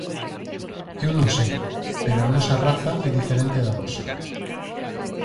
Eu non sei, pero a nosa raza é diferente da vosa.